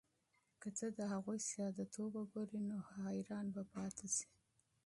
که ته د هغوی ساده توب وګورې، نو په حیرت کې به پاتې شې.